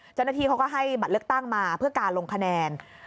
เจ้าหน้าที่เขาก็ให้บัตรเลือกตั้งมาเพื่อการลงคะแนน